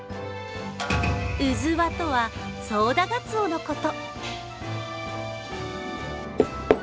うずわとは、ソウダガツオのこと。